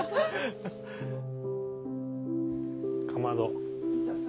かまど。